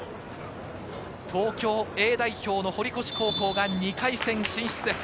東京Ａ代表の堀越高校が２回戦進出です。